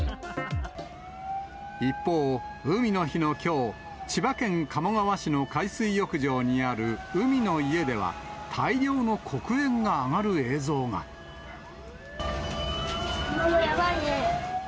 一方、海の日のきょう、千葉県鴨川市の海水浴場にある海の家では、ママ、やばいね。